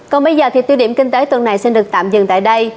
còn bây giờ thì tiêu điểm kinh tế tuần này xin được tạm dừng tại đây